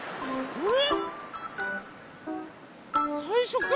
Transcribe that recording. あれ？